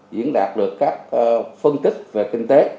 diễn đạt được các phân tích về kinh tế